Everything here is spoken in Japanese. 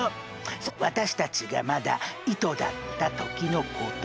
そう私たちがまだ糸だった時のことを。